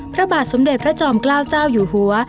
พระบาทสมเด็จพระจอมเกล้าเจ้าอยู่หัว